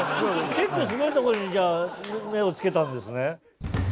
結構すごいとこにじゃあ目をつけたんですね。